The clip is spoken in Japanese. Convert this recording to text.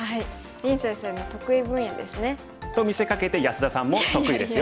林先生の得意分野ですね。と見せかけて安田さんも得意ですよ。